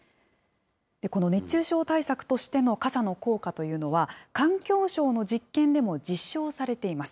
この熱中症対策としての傘の効果というのは、環境省の実験でも実証されています。